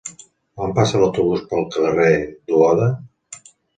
Quan passa l'autobús pel carrer Duoda?